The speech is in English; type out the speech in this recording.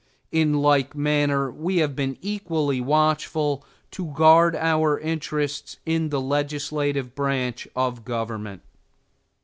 In like manner we have been equally watchful to guard our interests in the legislative branch of government.